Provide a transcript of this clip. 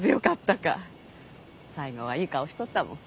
最期はいい顔しとったもん。